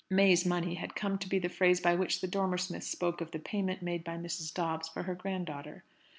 "May's money" had come to be the phrase by which the Dormer Smiths spoke of the payment made by Mrs. Dobbs for her grand daughter.